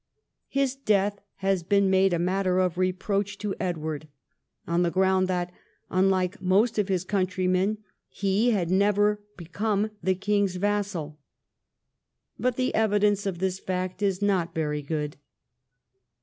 His death has been made a matter of reproach to Edward, on the ground that, unlike most of his country men, he had never become the king's vassal ; but the evidence of this fact is not very good.